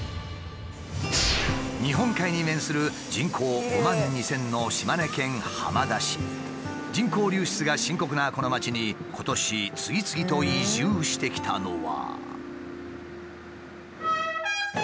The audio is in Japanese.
日本海に面する人口５万２，０００の人口流出が深刻なこの町に今年次々と移住してきたのは。